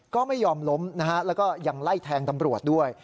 ก็ไม่ยอมล้มนะฮะแล้วก็ยังไล่แทงตำรวจด้วย